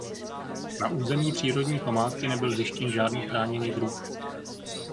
Na území přírodní památky nebyl zjištěn žádný chráněný druh.